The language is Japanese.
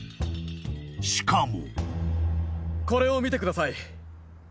［しかも］